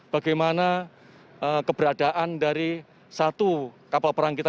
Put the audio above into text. bagaimana keberadaan dari satu kapal perang kita